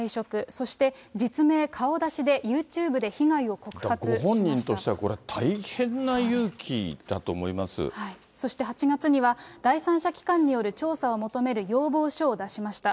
そして、実名顔出しで、ユーチューブで被ご本人としては大変な勇気だそして、８月には第三者機関による調査を求める要望書を出しました。